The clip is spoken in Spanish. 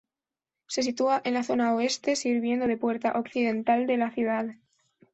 Se sitúa en la zona oeste, sirviendo de puerta occidental de la ciudad.